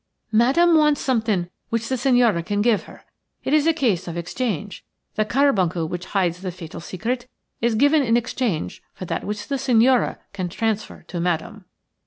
"Madame wants something which the signora can give her. It is a case of exchange; the carbuncle which hides the fatal secret is given in exchange for that which the signora can transfer to Madame."